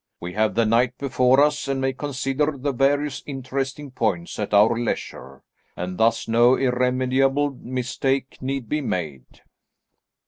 We have the night before us, and may consider the various interesting points at our leisure, and thus no irremediable mistake need be made."